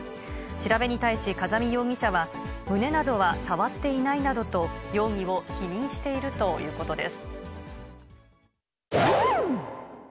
調べに対し、風見容疑者は、胸などは触っていないなどと、容疑を否認しているということです。